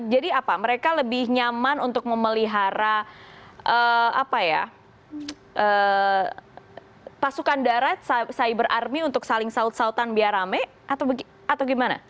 apa mereka lebih nyaman untuk memelihara pasukan darat cyber army untuk saling saut sautan biar rame atau gimana